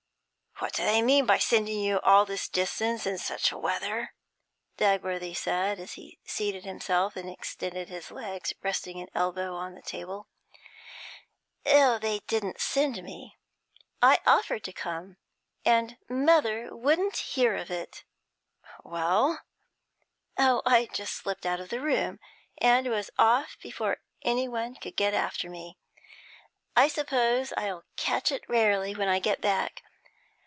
'What do they mean by sending you all this distance in such weather?' Dagworthy said, as he seated himself and extended his legs, resting an elbow on the table. 'They didn't send me. I offered to come, and mother wouldn't hear of it.' 'Well ?' 'Oh, I just slipped out of the room, and was off before anyone could get after me. I suppose I shall catch it rarely when I get back.